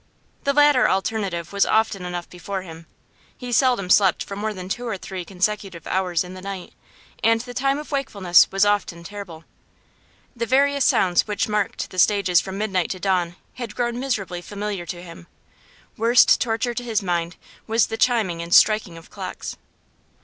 The latter alternative was often enough before him. He seldom slept for more than two or three consecutive hours in the night, and the time of wakefulness was often terrible. The various sounds which marked the stages from midnight to dawn had grown miserably familiar to him; worst torture to his mind was the chiming and striking of clocks.